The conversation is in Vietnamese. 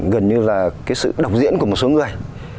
gần như là cái sự đọc diễn của một số người